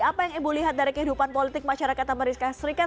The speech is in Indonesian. apa yang ibu lihat dari kehidupan politik masyarakat amerika serikat